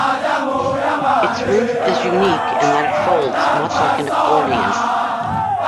Its roof is unique in that it folds much like an accordion.